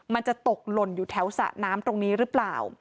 มันจะตกหล่นอยู่แถวสระน้ำตรงนี้หรือเปล่า